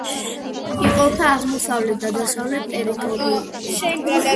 იყოფა აღმოსავლეთ და დასავლეთ ტერიტორიებად.